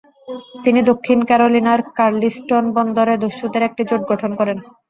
তিনি দক্ষিণ ক্যারোলিনার কার্লিস্টোন বন্দরে দস্যুদের একটি জোট গঠন করেন।